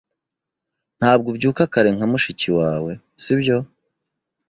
Ntabwo ubyuka kare nka mushiki wawe, sibyo?